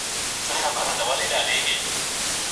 ولسي جرګه د ملي ارزښتونو ساتنه کوي.